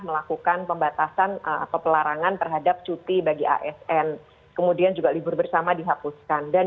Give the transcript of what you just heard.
melakukan pembatasan atau pelarangan terhadap cuti bagi asn kemudian juga libur bersama dihapuskan dan